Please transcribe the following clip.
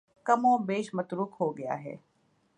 کم و بیش متروک ہو گیا ہے